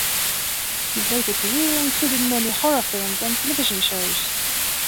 His later career included many horror films and television shows.